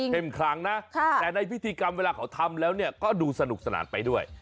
คลังนะแต่ในพิธีกรรมเวลาเขาทำแล้วเนี่ยก็ดูสนุกสนานไปด้วย